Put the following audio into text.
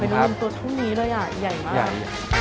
มีหอยนังลมตัวเท่านี้เลยอะใหญ่มาก